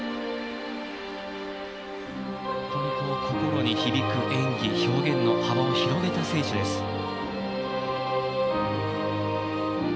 心に響く演技、表現の幅を広げた選手です。